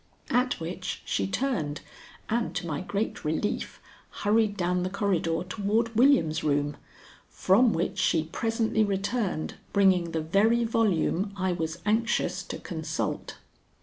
At which she turned and to my great relief hurried down the corridor toward William's room, from which she presently returned, bringing the very volume I was anxious to consult.